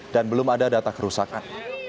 dan belum ada data kerusakan